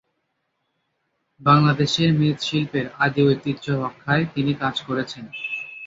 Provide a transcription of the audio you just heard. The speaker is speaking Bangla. বাংলাদেশের মৃৎশিল্পের আদি ঐতিহ্য রক্ষায় তিনি কাজ করেছেন।